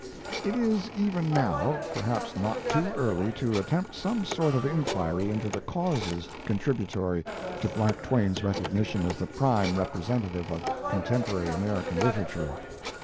It is, even now, perhaps not too early to attempt some sort of inquiry into the causes contributory to Mark Twain's recognition as the prime representative of contemporary American literature.